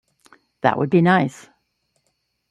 That would be nice.